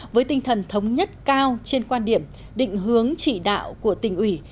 với tinh thần thống nhất cao trên quan điểm định hướng chỉ đạo của tỉnh ủy